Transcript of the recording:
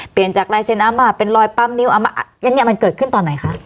เปลี่ยนจากลายเซ็นอาม่าเป็นรอยปั้มนิ้วอาม่าอันนี้มันเกิดขึ้นตอนไหนคะ